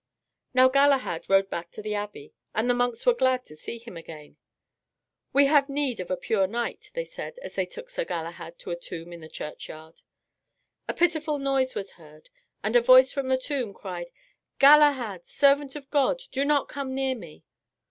Now Galahad rode back to the abbey, and the monks were glad to see him again. "We have need of a pure knight," they said, as they took Sir Galahad to a tomb in the churchyard. A pitiful noise was heard, and a voice from the tomb cried, "Galahad, servant of God, do not come near me."